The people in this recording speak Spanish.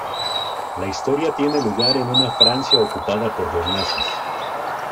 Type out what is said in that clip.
La historia tiene lugar en una Francia ocupada por los nazis.